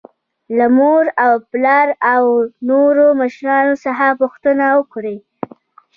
له مور او پلار او نورو مشرانو څخه پوښتنه وکړئ.